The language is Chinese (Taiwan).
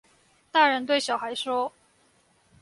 大人對小孩說